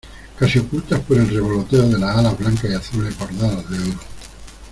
casi ocultas por el revoloteo de las alas blancas y azules bordadas de oro.